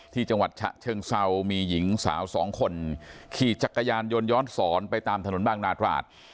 จังหวัดฉะเชิงเซามีหญิงสาวสองคนขี่จักรยานยนต์ย้อนสอนไปตามถนนบางนาตราด